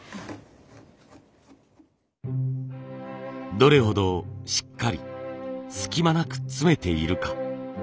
どれほどしっかり隙間なく詰めているか。